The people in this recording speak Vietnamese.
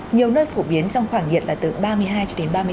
nhiều nơi phổ biến trong khoảng nhiệt là từ ba mươi hai ba mươi bốn độ ạ